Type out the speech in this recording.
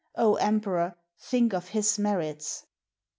O emperor, think of his merits!"